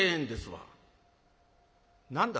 「何だ